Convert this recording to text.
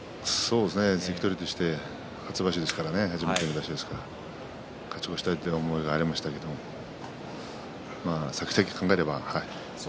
関取として初めての場所ですからね勝ち越したいという思いがありましたけどさきざき考えれば。